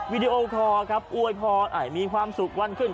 วิดีโอคอร์ครับอวยพรมีความสุขวันขึ้น